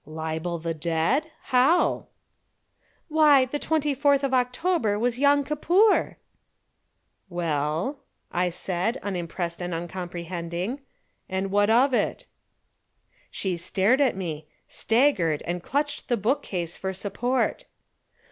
"Libel the dead? How?" "Why, the twenty fourth of October was Yom Kippur." "Well," I said, unimpressed and uncomprehending, "and what of it?" She stared at me, staggered and clutched at the book case for support.